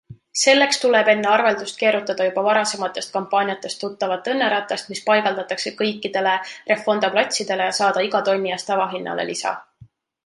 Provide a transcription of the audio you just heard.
Selleks tuleb enne arveldust keerutada juba varasematest kampaaniatest tuttavat õnneratast, mis paigaldatakse kõikidele Refonda platsidele ja saada iga tonni eest tavahinnale lisa.